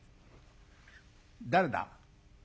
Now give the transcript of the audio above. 「誰だ？